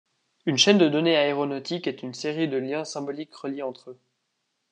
Une chaîne de données aéronautique est une série de liens symboliques reliés entre eux.